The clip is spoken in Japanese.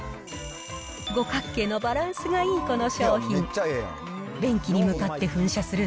五角形のバランスがよいこの商品。